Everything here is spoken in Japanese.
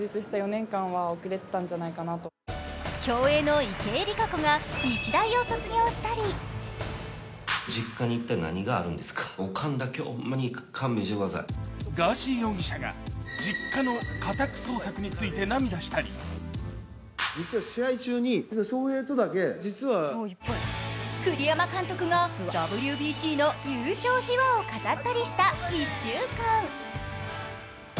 競泳の池江璃花子が日大を卒業したりガーシー容疑者が実家の家宅捜索について涙したり栗山監督がＷＢＣの優勝秘話を語ったりした１週間。